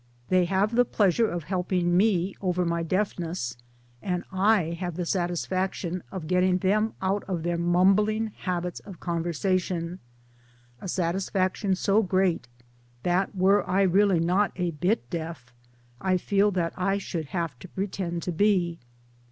They have the pleasure of helping me over my deafness, and I have the satisfaction of getting them out of their mumbling habits of conversation a satisfaction so great that were I really not a bit deaf I feel that I should have to pretend to be